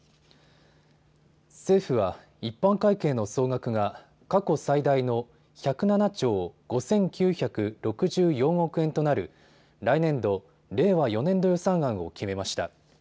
政府は一般会計の総額が過去最大の１０７兆５９６４億円となる来年度・令和４年度予算案を決めました。